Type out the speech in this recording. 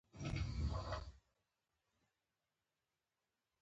او چا چې ديوې ذرې په اندازه بدي کړي وي، هغه به وويني